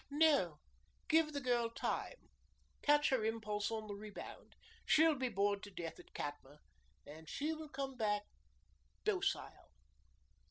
"No. Give the girl time. Catch her impulse on the rebound. She'll be bored to death at Katma and she will come back docile."